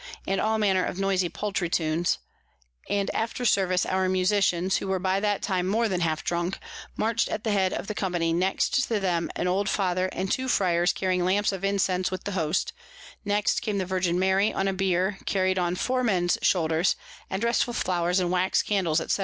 _ and all manner of noisy paltry Tunes: and after Service our Musicians, who were by that time more than half drunk, march'd at the head of the Company, next to them an old Father and two Fryars carrying Lamps of Incense with the Host, next came the Virgin Mary on a Bier carry'd on four Mens shoulders, and dress'd with Flowers and Wax Candles, _&c.